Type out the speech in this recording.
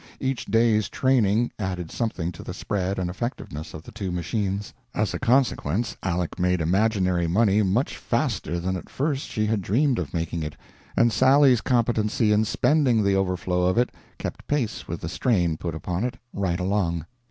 Each day's training added something to the spread and effectiveness of the two machines. As a consequence, Aleck made imaginary money much faster than at first she had dreamed of making it, and Sally's competency in spending the overflow of it kept pace with the strain put upon it, right along.